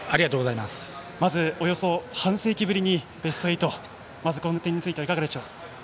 まず、およそ半世紀ぶりにベスト８この点についてはいかがでしょうか。